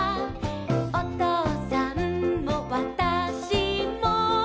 「おとうさんもわたしも」